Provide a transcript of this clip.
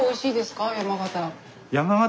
山形。